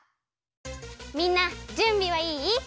みんなじゅんびはいい？